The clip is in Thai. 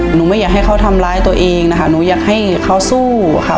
ไม่อยากให้เขาทำร้ายตัวเองนะคะหนูอยากให้เขาสู้ค่ะ